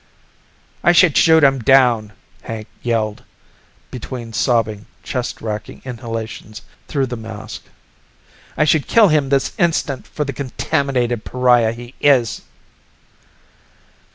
"I should shoot him down!" Hank yelled, between sobbing, chest racking inhalations through the mask. "I should kill him this instant for the contaminated pariah he is!"